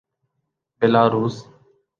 Belarus